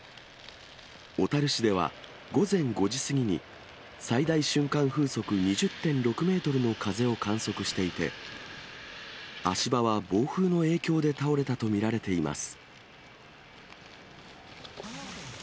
小樽市では、午前５時過ぎに、最大瞬間風速２０．６メートルの風を観測していて、足場は暴風の影響で倒れたと見られています。